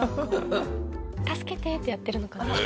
「助けて」ってやってるのかな？